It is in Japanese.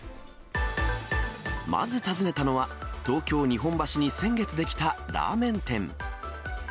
まず訪ねたのは、東京・日本橋に先月出来たラーメン店。